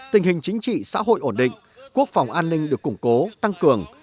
tình hình chính trị xã hội ổn định quốc phòng an ninh được củng cố tăng cường